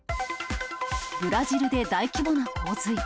ブラジルで大規模な洪水。